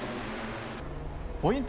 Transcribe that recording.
ポイント